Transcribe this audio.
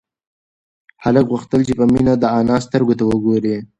هلک غوښتل چې په مينه د انا سترگو ته وگوري.